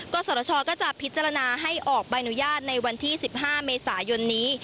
ก็สรชก็จะพิจารณาให้ออกใบอนุญาตในวันที่๑๕เมษายนนี้